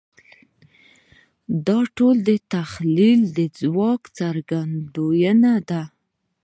دا ټول د تخیل د ځواک څرګندونه ده.